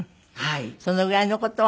そのぐらいの事はね。